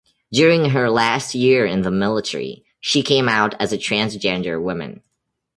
During her last year in the military, she came out as a transgender woman.